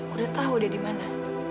udah tahu dia di mana